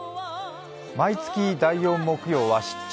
毎月第４木曜日は「出張！